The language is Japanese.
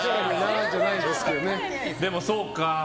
でも、そうか。